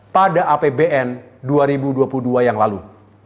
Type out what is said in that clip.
pada apbn dua ribu dua puluh dua yang lalu